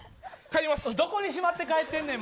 どこにしまってかえってんねん。